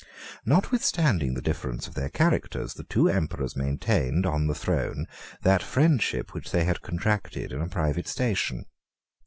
Notwithstanding the difference of their characters, the two emperors maintained, on the throne, that friendship which they had contracted in a private station.